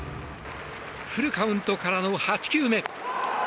フルカウントからの８球目。